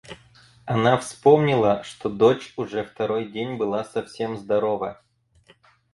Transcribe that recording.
Она вспомнила, что дочь уже второй день была совсем здорова.